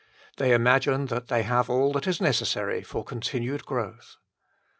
They imagine that they have all that is necessary for continued growth.